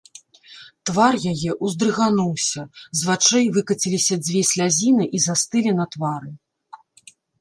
Твар яе ўздрыгануўся, з вачэй выкаціліся дзве слязіны і застылі на твары.